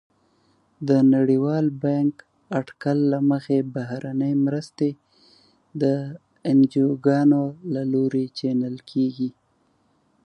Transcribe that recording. د نړیوال بانک اټکل له مخې بهرنۍ مرستې د انجوګانو له لوري چینل کیږي.